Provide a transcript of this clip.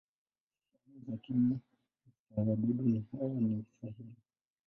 Sehemu za kinywa za wadudu hawa ni sahili.